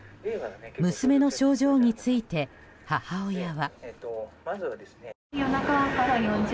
娘の症状について、母親は。